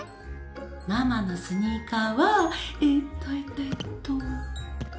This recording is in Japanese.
ママのスニーカーはえっとえっとえっと